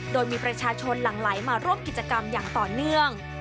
โดยมีประชาชนหลั่งไหลมาร่วมกิจกรรมอย่างต่อเนื่อง